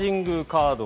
カード。